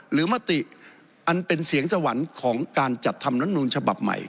หรือมะติอันเป็นเสียงสวรรค์ของการจัดทำรัฐมนตร์ฉบับใหม่